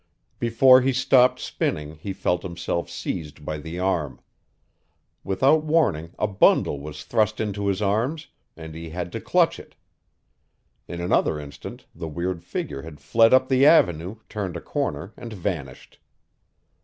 Before he stopped spinning he felt himself seized by the arm. Without warning a bundle was thrust into his arms and he had to clutch it. In another instant the weird figure had fled up the avenue, turned a corner and vanished.